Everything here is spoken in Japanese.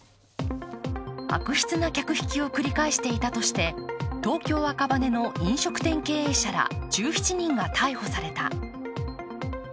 悪質な客室を繰り返していたとして東京・赤羽の飲食店経営者ら１７人が逮捕された。